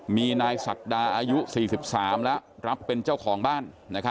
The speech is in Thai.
มีนายศักดาอายุ๔๓แล้วรับเป็นเจ้าของบ้าน